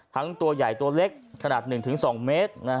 ตัวใหญ่ตัวเล็กขนาด๑๒เมตร